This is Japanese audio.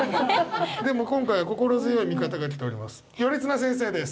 でも今回は心強い味方が来ております。